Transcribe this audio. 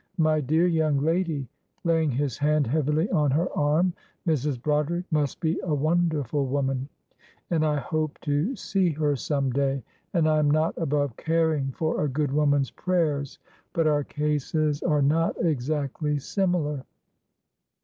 My dear young lady," laying his hand heavily on her arm, "Mrs. Broderick must be a wonderful woman, and I hope to see her some day; and I am not above caring for a good woman's prayers, but our cases are not exactly similar."